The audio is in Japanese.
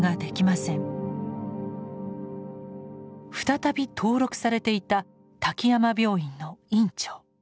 再び登録されていた滝山病院の院長。